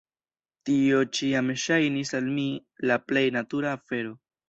Tio ĉiam ŝajnis al mi la plej natura afero.